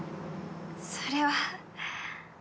それは。